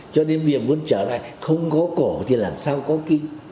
cho nên việc muốn trở lại không có cổ thì làm sao có kinh